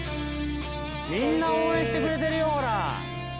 みんな応援してくれてるよほら。